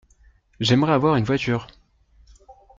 J’aimerais avoir une voiture.